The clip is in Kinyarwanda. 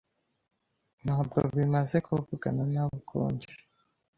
Ntabwo bimaze kuvugana nabo ukundi.